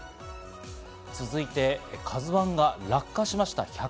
続いて「ＫＡＺＵ１」が落下しました。